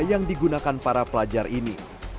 yang digunakan para pelajar ini